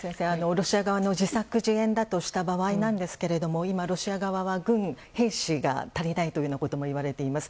ロシア側の自作自演とした場合ですが今、ロシア側は軍の兵士が足りないともいわれています。